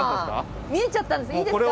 見えちゃったんでいいですか？